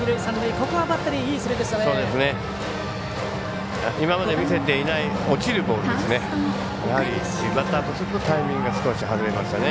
ここはバッテリーいいプレーでしたね。